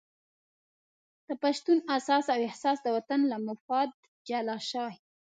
د پښتون اساس او احساس د وطن له مفاد جلا شوی.